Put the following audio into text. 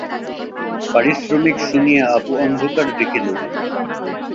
পারিশ্রমিক শুনিয়া অপু অন্ধকার দেখিল।